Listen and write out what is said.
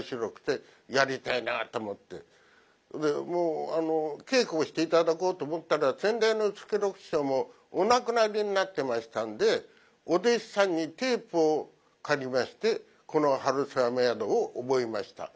でもう稽古をして頂こうと思ったら先代の助六師匠もお亡くなりになってましたんでお弟子さんにテープを借りましてこの「春雨宿」を覚えました。